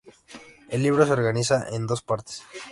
El libro se organiza en dos partes.